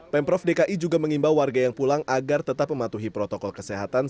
pemprov dki juga mengimbau warga yang pulang agar tetap mematuhi protokol kesehatan